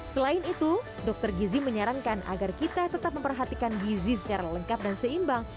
selain itu dr gizi menyarankan agar kita tetap memperhatikan gizi secara lengkap dan seimbang